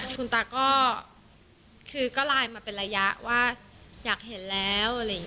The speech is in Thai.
คุณตาก็คือก็ไลน์มาเป็นระยะว่าอยากเห็นแล้ว